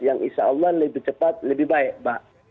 yang insya allah lebih cepat lebih baik mbak